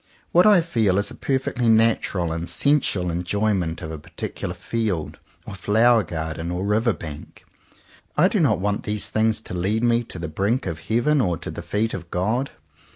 What I feel is a perfectly natural and sensual enjoyment of a particular field, or flower garden, or river bank, I do not want these things to lead me to the brink of Heaven or to the feet of God.